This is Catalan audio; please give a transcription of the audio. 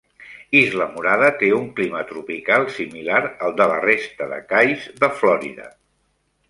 Islamorada té un clima tropical similar al de la resta de cais de Florida.